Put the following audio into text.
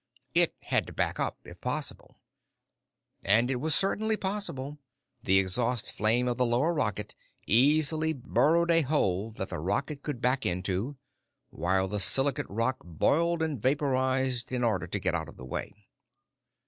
It had to back up, if possible. And it was certainly possible; the exhaust flame of the lower rocket easily burrowed a hole that the rocket could back into, while the silicate rock boiled and vaporized in order to get out of the way.